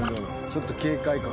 ちょっと警戒感。